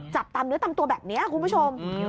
ตามเนื้อตามตัวแบบนี้คุณผู้ชม